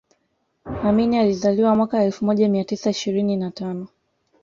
amini alizaliwa mwaka elfu moja mia tisa ishirini na tano